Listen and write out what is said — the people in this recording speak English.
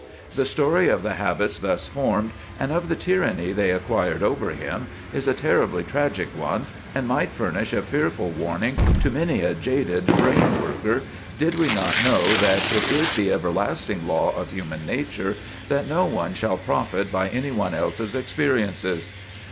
The story of the habits thus formed, and of the tyranny they acquired over him, is a terribly tragic one, and might furnish a fearful warning to many a jaded brain worker, did we not know that it is the everlasting law of human nature that no one shall profit by any one else's experiences.